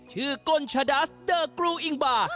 ชื่อกดชะดัสเดอะคลูอิ้งบา